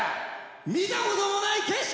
「見たこともない景色」！